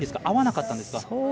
合わなかったんですか。